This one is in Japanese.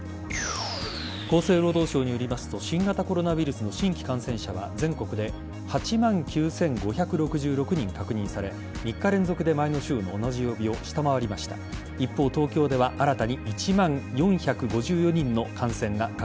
厚生労働省によりますと新型コロナウイルスの新規感染者は全国で８万９５６６人確認され３日連続で前の週の同じ曜日を下回りました。